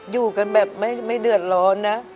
อยู่กันแบบไม่เดือดร้อนนะ